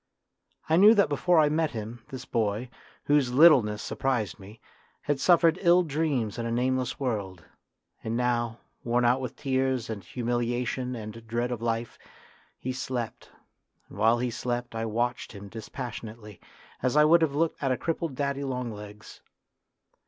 I knew that before I met him, this boy, whose littleness surprised me, had suffered ill dreams in a nameless world, and now, worn out with tears and humiliation and dread of life, he slept, and while he slept I watched him dispassionately, as I would have looked at a crippled daddy long legs.